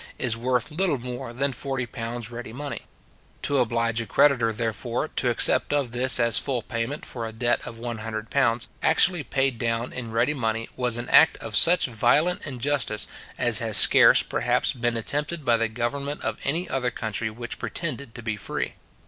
is worth little more than £40 ready money. To oblige a creditor, therefore, to accept of this as full payment for a debt of £100, actually paid down in ready money, was an act of such violent injustice, as has scarce, perhaps, been attempted by the government of any other country which pretended to be free.